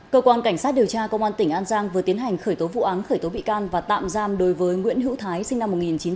cơ quan cảnh sát điều tra công an tỉnh an giang vừa tiến hành khởi tố vụ án khởi tố bị can và tạm giam đối với nguyễn hữu thái sinh năm một nghìn chín trăm tám mươi